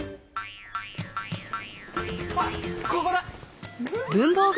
あっここだ！